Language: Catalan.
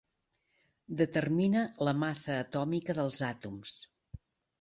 Determina la massa atòmica dels àtoms.